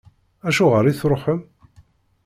Acuɣer i tṛuḥem?